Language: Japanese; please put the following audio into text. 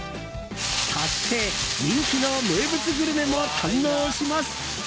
そして、人気の名物グルメも堪能します。